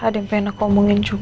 ada yang pengen aku omongin juga